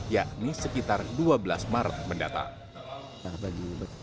yakni sekitar dua belas maret mendatang